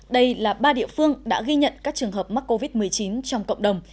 đây là ba địa phương đã ghi nhận các trường hợp mắc covid một mươi chín trong cộng đồng